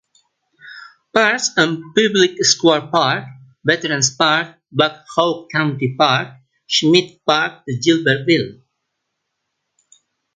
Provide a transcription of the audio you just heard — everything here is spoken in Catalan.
Parcs en Public Square Park , Veterans Park, Black Hawk County Park, Schmidt Park de Gilbertville.